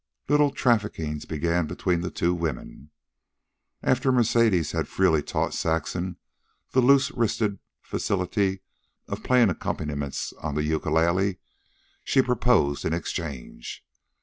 Little traffickings began between the two women. After Mercedes had freely taught Saxon the loose wristed facility of playing accompaniments on the ukulele, she proposed an exchange.